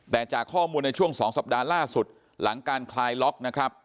แต่จากข้อมูลในช่วง๒สัปดาห์ล่าสุดหลังการคลายล็อกนะครับ